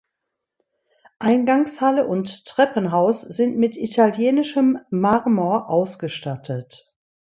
Eingangshalle und Treppenhaus sind mit italienischem Marmor ausgestattet.